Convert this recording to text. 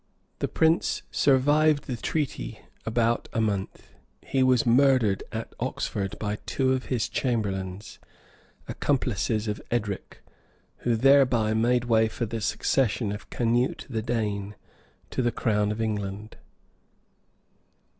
The prince survived the treaty about a month. He was murdered at Oxford by two of his chamberlains, accomplices of Edric, who thereby made way for the succession of Canute the Dane to the crown of England.